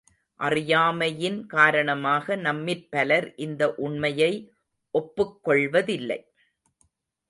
அறியாமையின் காரணமாக நம்மிற் பலர் இந்த உண்மையை ஒப்புக்கொள்வதில்லை.